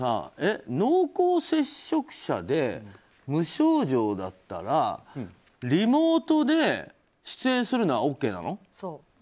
濃厚接触者で無症状だったらリモートで出演するのはＯＫなの？